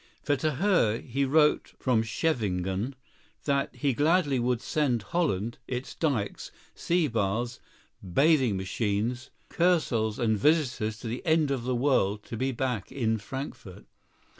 For to her he wrote from Scheveningen that he gladly would send Holland, its dykes, sea baths, bathing machines, Kursaals and visitors to the end of the world to be back in Frankfort.